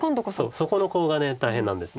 そうそこのコウが大変なんです。